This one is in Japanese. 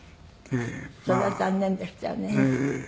それは残念でしたよね。